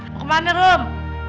mau kemana rom